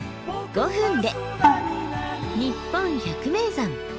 ５分で「にっぽん百名山」。